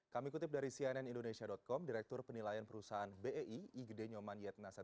kami kutip dari cnnindonesia com direktur penilaian perusahaan bei igde nyoman yetna seng